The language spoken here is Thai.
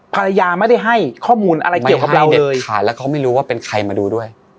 ภรรยาไม่ได้ให้ข้อมูลอะไรเกี่ยวกับเราเด็ดขาดแล้วเขาไม่รู้ว่าเป็นใครมาดูด้วย